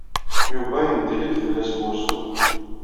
Yuba yenṭeg-d fell-as wursu.